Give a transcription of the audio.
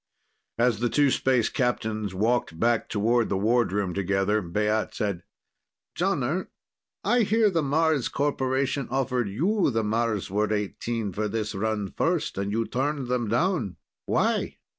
As the two space captains walked back toward the wardroom together, Baat said: "Jonner, I hear the Mars Corporation offered you the Marsward XVIII for this run first, and you turned them down. Why?